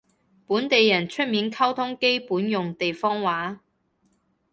本地人出面溝通基本用地方話